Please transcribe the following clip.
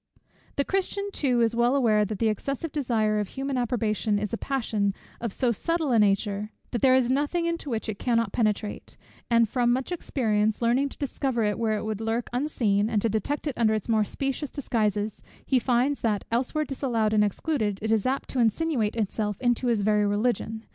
The Christian too is well aware that the excessive desire of human approbation is a passion of so subtile a nature, that there is nothing into which it cannot penetrate; and from much experience, learning to discover it where it would lurk unseen, and to detect it under its more specious disguises, he finds, that elsewhere disallowed and excluded, it is apt to insinuate itself into his very religion, where it especially delights to dwell, and obstinately maintains its residence.